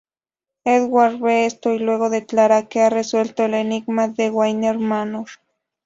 Edward ve esto, y luego declara que ha "resuelto el enigma de Wayne Manor".